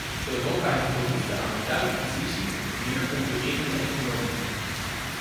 Europa heeft behoefte aan een duidelijke visie op een meer concurrerende economie.